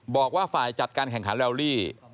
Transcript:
บอกว่าฝ่ายจัดการแข่งขันแลลี่